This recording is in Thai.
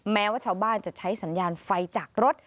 แม้ว่าชาวบ้านจะใช้สัญญาณไฟจากรถ